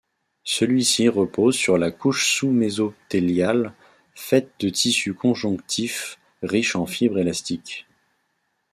Celui-ci repose sur la couche sous-mésothéliale, faite de tissu conjonctif riche en fibres élastiques.